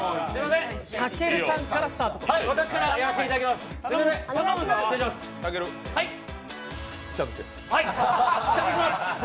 たけるさんからスタートします。